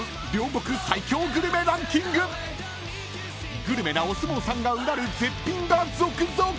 ［グルメなお相撲さんがうなる絶品が続々！］